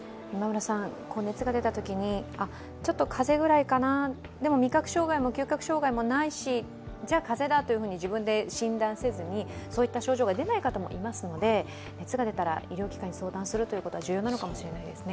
熱が出たときに、ちょっと風邪ぐらいかな、でも味覚障害も嗅覚障害もないし、じゃあ、風邪だと自分で診断せずに、そういった症状が出ない方もいますので、熱が出たら医療機関に相談するのは重要なのかもしれないですね。